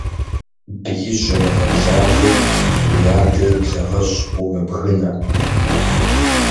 Биижь умыгъэблагъи, уи адэ и благъэжь умыбгынэ.